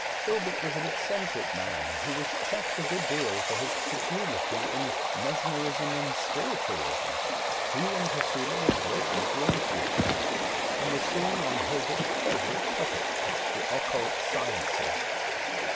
Hilbert was an eccentric man, who was chaffed a good deal for his credulity in mesmerism and spiritualism. He and Posela were greatly drawn to each other, and were soon on Hilbert's favourite topic — the occult sciences.